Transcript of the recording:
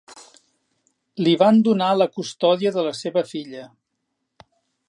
Li van donar la custòdia de la seva filla.